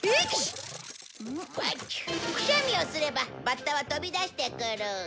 くしゃみをすればバッタは飛び出してくる。